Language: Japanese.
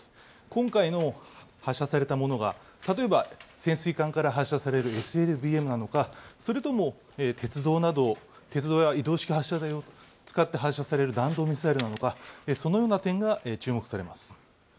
今回の発射されたものが、例えば潜水艦から発射されるＳＬＢＭなのか、それとも鉄道や移動式発射台を使って発射される弾道ミサイルなのか、そのような点が注目されます。